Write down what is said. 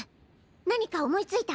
何か思いついた？